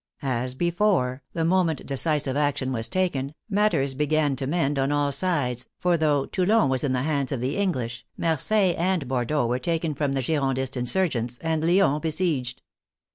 As before, the moment decisive action was taken, matters began to mend on all sides, for though Toulon was in the hands of the English, Marseilles and Bordeaux were taken from the Girondin insurgents, and Lyons besieged.